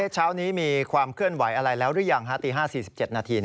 เช้านี้มีความเคลื่อนไหวอะไรแล้วหรือยังตี๕๔๗นาที